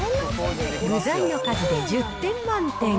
具材の数で１０点満点。